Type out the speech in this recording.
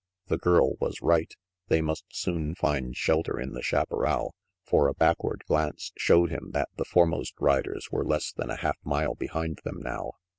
The girl was right. They must soon find shelter in the chaparral, for a backward glance showed him that the foremost riders were less than a half mile behind them now.